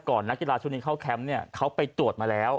นักกีฬาชุดนี้เข้าแคมป์เนี่ยเขาไปตรวจมาแล้ว